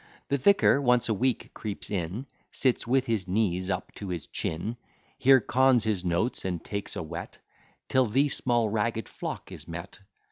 The vicar once a week creeps in, Sits with his knees up to his chin; Here cons his notes, and takes a whet, Till the small ragged flock is met.